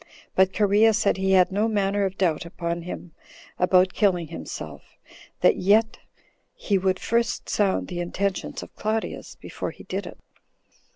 But Cherea said he had no manner of doubt upon him about killing himself; that yet he would first sound the intentions of Claudius before he did it.